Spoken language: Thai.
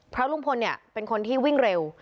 เพราะลุงพลเนี่ยเป็นคนที่วิ่งเร็ว